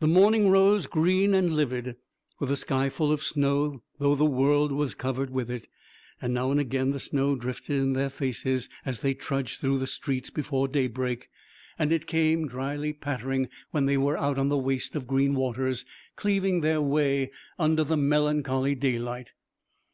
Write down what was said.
The morning rose green and livid, with a sky full of snow though the world was covered with it. Now and again the snow drifted in their faces as they trudged through the streets before daybreak, and it came dryly pattering when they were out on the waste of green waters cleaving their way under the melancholy daylight.